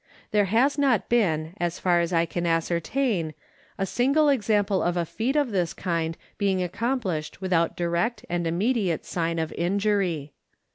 There has not been, as far as I can ascertain, a single 182 THE NORTH AMERICAN REVIEW. example of a feat of this kind being accomplished without direct and immediate sign of injury.